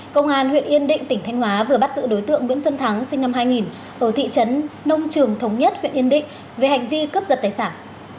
công an huyện yên định tỉnh thanh hóa vừa bắt giữ đối tượng nguyễn xuân thắng sinh năm hai nghìn ở thị trấn nông trường thống nhất huyện yên định về hành vi cướp giật tài sản